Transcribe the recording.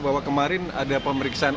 bahwa kemarin ada pemeriksaan